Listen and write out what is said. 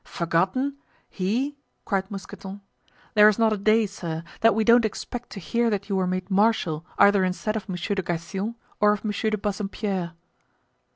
"Forgotten—he!" cried Mousqueton; "there's not a day, sir, that we don't expect to hear that you were made marshal either instead of Monsieur de Gassion, or of Monsieur de Bassompierre."